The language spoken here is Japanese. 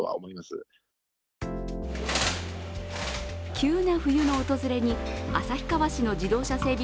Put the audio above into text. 急な冬の訪れに旭川市の自動車整備